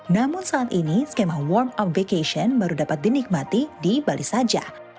namun saat ini skema warm up vacation baru dapat dinikmati di bali saja